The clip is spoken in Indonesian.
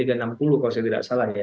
kalau saya tidak salah ya